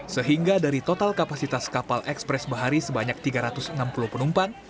sehingga dari total kapasitas kapal ekspres bahari sebanyak tiga ratus enam puluh penumpang